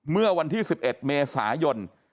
เมื่อวันที่๑๑เมษายน